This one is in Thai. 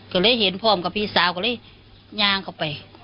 ก็เห็นพร้อมกับพี่สาวก็น่าไป